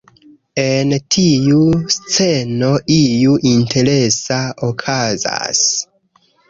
En tiu sceno, iu interesa okazas.